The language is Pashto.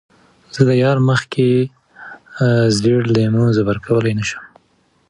زۀ د يار مخکښې زېر لېمۀ زبَر کؤلے نۀ شم